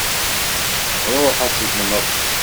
Ṛuḥ ad tegneḍ!